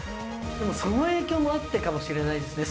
でもその影響もあってかもしれないですね